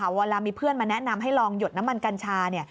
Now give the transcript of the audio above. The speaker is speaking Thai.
เวลามีเพื่อนมาแนะนำให้ลองหยดน้ำมันกัญชา